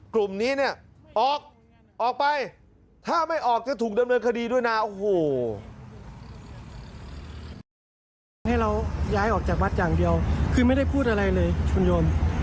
กลุ่มนี้เนี่ยออกออกไปถ้าไม่ออกจะถูกดำเนินคดีด้วยนะโอ้โห